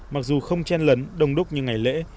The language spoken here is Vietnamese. mặc dù không chen lấn đông đúc như ngày lễ